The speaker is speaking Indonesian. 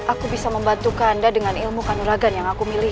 aku bisa membantu kakanda dengan ilmu kanur agama yang aku miliki